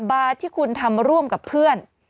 บาร์ที่คุณทำร่วมกับเพื่อน